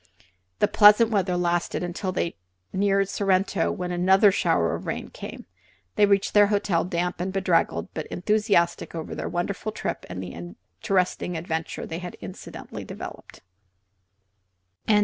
The pleasant weather lasted until they neared Sorrento, when another shower of rain came up. They reached their hotel damp and bedraggled, but enthusiastic over their wonderful trip and the interesting adventure it had incidentally developed.